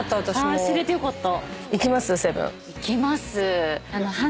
知れてよかった。